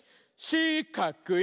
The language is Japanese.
しかくい！